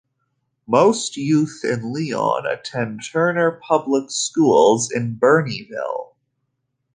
Most youth in Leon attend Turner Public Schools in Burneyville.